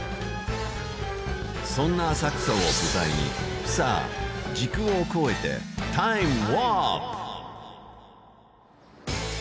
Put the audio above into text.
そんな浅草を舞台に、さあ時空を超えてタイムワープ！